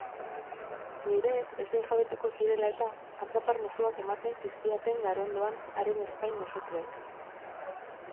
Nireez ezin jabetuko zirela-eta, atzapar-musuak ematen zizkidaten garondoan haren ezpain gosetuek.